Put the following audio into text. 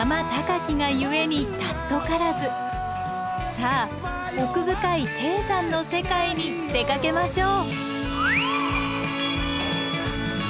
さあ奥深い低山の世界に出かけましょう！